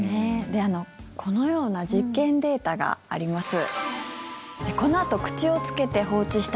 このような実験データがあります。